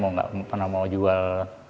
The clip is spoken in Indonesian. nggak pernah mau jual